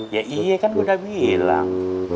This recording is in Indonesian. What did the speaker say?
ya iya kan udah bilang